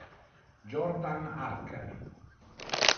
Jordan Archer